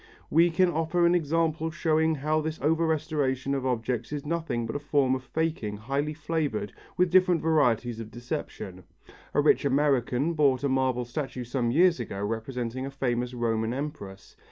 We can offer an example showing how this over restoration of objects is nothing but a form of faking highly flavoured with different varieties of deception. A rich American bought a marble statue some years ago representing a famous Roman empress.